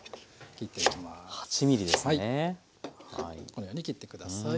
このように切って下さい。